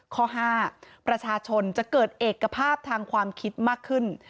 ข้อ๕ประชาชนจะเกิดเอกภาพทางความคิดมากขึ้น